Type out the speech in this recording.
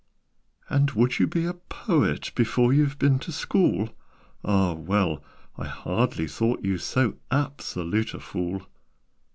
"And would you be a poet Before you've been to school? Ah, well! I hardly thought you So absolute a fool.